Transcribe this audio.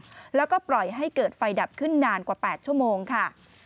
แล้วก็ปล่อยให้เกิดไฟดับขึ้นนานกว่า๘ชั่วโมงค่ะ